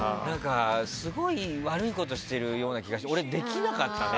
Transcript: すごい悪いことしてるような気がして俺、できなかったね。